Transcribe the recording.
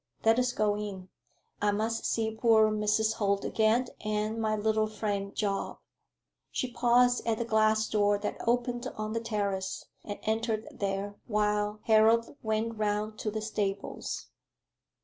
Let us go in. I must see poor Mrs. Holt again, and my little friend Job." She paused at the glass door that opened on the terrace, and entered there, while Harold went round to the stables.